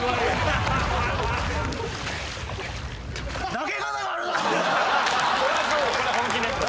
投げ方があるだろ！